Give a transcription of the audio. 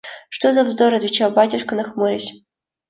– Что за вздор! – отвечал батюшка нахмурясь.